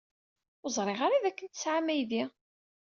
Ur ẓriɣ ara dakken tesɛam aydi.